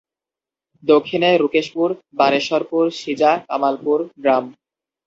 দক্ষিণে রুকেশপুর, বানেশ্বরপুর, সিজা, কামালপুর গ্রাম।